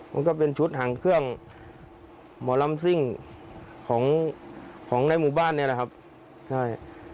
มันก็เป็นชุดห่างเครื่องหมอลำซิ่งของของในหมู่บ้านเนี่ยนะครับใช่